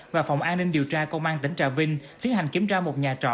và phòng an ninh điều tra công an tỉnh trà vinh tiến hành kiểm tra một nhà trọ